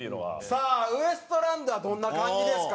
さあウエストランドはどんな感じですか？